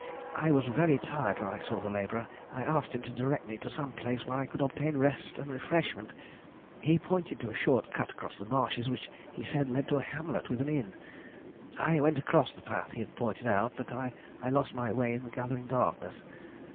I was very tired when I saw the labourer, and I asked him to direct me to some place where I could obtain rest and refreshment. He pointed to a short cut across the marshes, which, he said, led to a hamlet with an inn. I went along the path he had pointed out, but I lost my way in the gathering darkness.